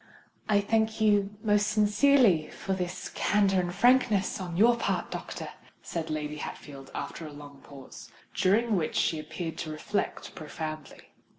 "I thank you most sincerely for this candour and frankness on your part, doctor," said Lady Hatfield, after a long pause, during which she appeared to reflect profoundly.